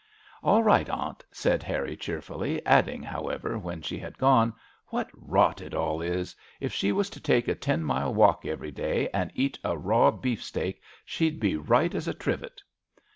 " All right, Aunt," said Harry, cheerfully, adding, however, when she had gone :" What rot it all is I If she was to take a ten mile walk every day and eat a raw beefsteak, she'd be right as a trivet."